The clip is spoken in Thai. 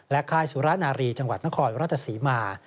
ค่ายสุรนารีจังหวัดนครราชศรีมา